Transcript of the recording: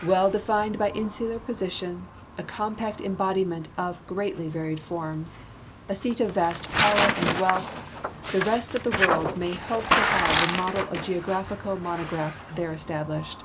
Well defined b}'^ insular position, a compact embodiment of greatly varied forms, a seat of vast power and wealth, the rest of the world may hope to have the model of geographical mono graphs there established.